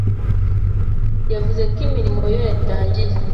yavuze ko imirimo yo yatangiye